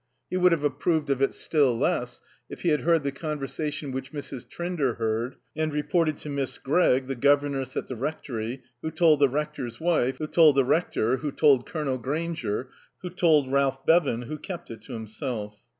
He would have approved of it still less if he had heard the conversation which Mrs. Trinder heard and reported to Miss Gregg, the governess at the rectory, who told the Rector's wife, who told the Rector, who told Colonel Grainger, who told Ralph Sevan, who kept it to himself.